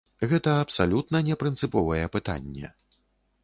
Гэта абсалютна не прынцыповае пытанне.